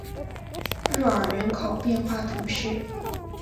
若尔人口变化图示